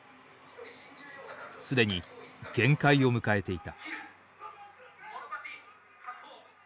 既に限界を迎えていた。